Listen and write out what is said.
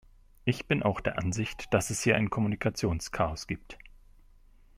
Ich bin auch der Ansicht, dass es hier ein Kommunikationschaos gibt.